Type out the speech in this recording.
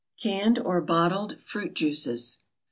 CANNED OR BOTTLED FRUIT JUICES.